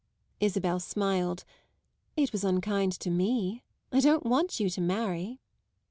Isabel smiled. "It was unkind to me. I don't want you to marry."